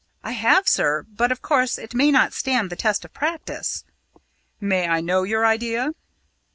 "I have, sir. But, of course, it may not stand the test of practice." "May I know the idea?"